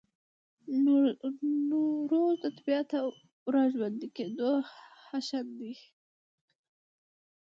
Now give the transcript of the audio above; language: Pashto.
نوروز د طبیعت د راژوندي کیدو جشن دی.